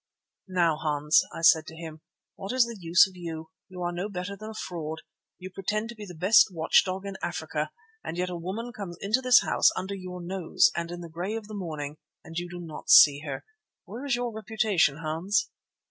"Now, Hans," I said to him, "what is the use of you? You are no better than a fraud. You pretend to be the best watchdog in Africa, and yet a woman comes into this house under your nose and in the grey of the morning, and you do not see her. Where is your reputation, Hans?"